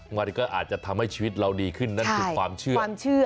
วันนี้ก็อาจจะทำให้ชีวิตเราดีขึ้นนั่นคือความเชื่อ